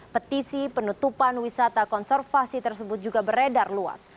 petisi penutupan wisata konservasi tersebut juga beredar luas